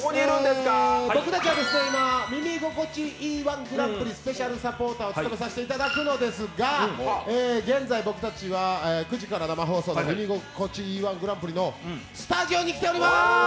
僕たちは今、「耳心地いい−１グランプリ」スペシャルサポーターを務めさせていただくんですが現在、僕たちは９時から生放送の「耳心地いい−１グランプリ」のスタジオに来ておりまーす。